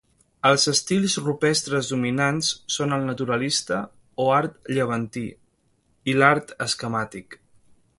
Els estils rupestres dominants són el naturalista, o art llevantí, i l'art esquemàtic.